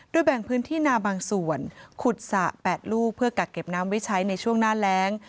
แบ่งพื้นที่นาบางส่วนขุดสระ๘ลูกเพื่อกักเก็บน้ำไว้ใช้ในช่วงหน้าแรง